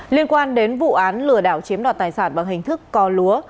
liên quan đến vụ án lừa đảo chiếm đoạt tài sản bằng hình thức co lúa